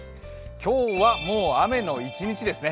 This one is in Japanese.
今日はもう雨の一日ですね。